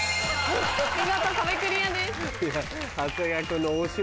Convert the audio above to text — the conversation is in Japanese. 見事壁クリアです。